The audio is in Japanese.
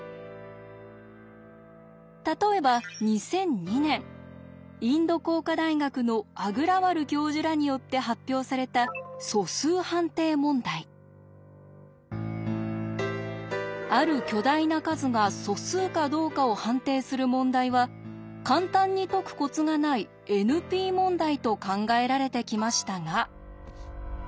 例えば２００２年インド工科大学のアグラワル教授らによって発表されたある巨大な数が素数かどうかを判定する問題は簡単に解くコツがないＮＰ問題と考えられてきましたが。